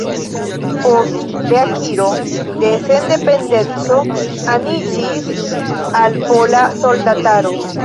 Post reakiro de sendependeco aniĝis al Pola Soldataro.